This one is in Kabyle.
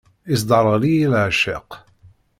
Isderɣel-iyi leεceq.